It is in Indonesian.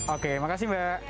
oke terima kasih mbak